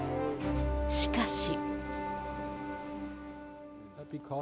しかし。